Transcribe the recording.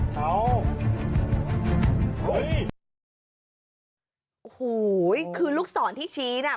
โอ้โหคือลูกศรที่ชี้น่ะ